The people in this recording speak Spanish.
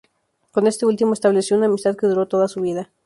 Con este último estableció una amistad que duró toda su vida.